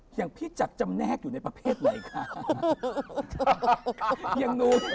อย่างพี่จัดจำแนกอยู่ในประเภทไหนคะ